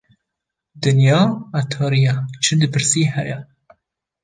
Dinya etariye çi dipirsî heye